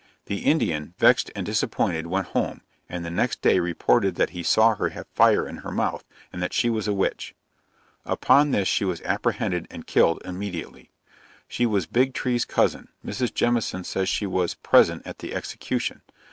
The Indian, vexed and disappointed, went home, and the next day reported that he saw her have fire in her mouth, and that she was a witch. Upon this she was apprehended and killed immediately. She was Big tree's cousin, Mrs. Jemison says she was present at the execution.